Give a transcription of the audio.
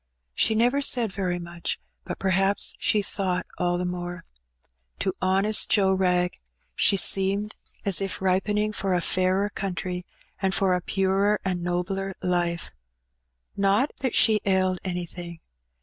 She never said very much, but perhaps she thought all the more. To honest Joe Wrag she seemed as 60 Her Benny. if ripening for a fairer country, and for a purer and nobler life. Not that she ailed anything.